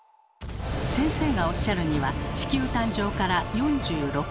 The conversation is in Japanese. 先生がおっしゃるには地球誕生から４６億年。